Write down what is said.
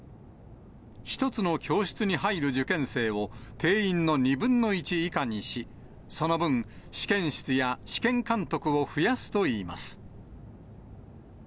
１つの教室に入る受験生を定員の２分の１以下にし、その分、試験室や試験監督を増やすといいます。